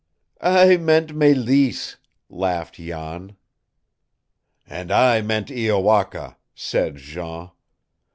"I meant Mélisse," laughed Jan. "And I meant Iowaka," said Jean.